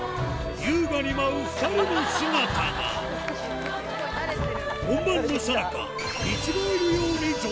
優雅に舞う２人の姿が本番のさなか